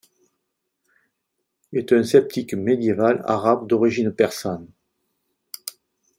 ابن الراوندي est un sceptique médiéval arabe d'origine persane.